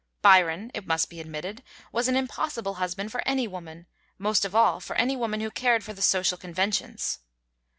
Byron, it must be admitted, was an impossible husband for any woman, most of all for any woman who cared for the social conventions.